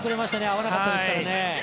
合わなかったですからね。